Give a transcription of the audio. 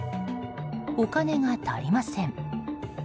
お金が足りません。